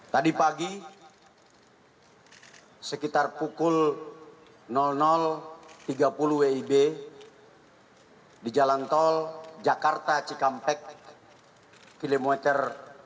tadi pagi sekitar pukul tiga puluh wib di jalan tol jakarta cikampek kilometer